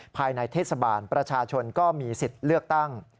ภายในเทศบาลประชาชนก็มีสิทธิ์เลือกตั้ง